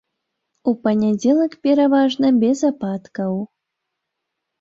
У панядзелак пераважна без ападкаў.